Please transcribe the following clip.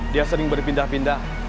dia sering berpindah pindah